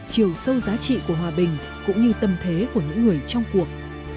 chiều sâu giá trị của hòa bình cũng như tâm thế của những người trong cuộc